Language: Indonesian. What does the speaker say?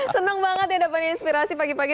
senang banget ya dapat inspirasi pagi pagi